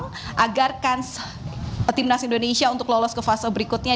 peluang agarkan timnas indonesia untuk lolos ke fase berikutnya